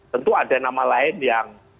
tentu ada nama lain yang